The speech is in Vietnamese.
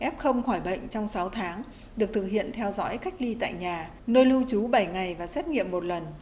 f khỏi bệnh trong sáu tháng được thực hiện theo dõi cách ly tại nhà nơi lưu trú bảy ngày và xét nghiệm một lần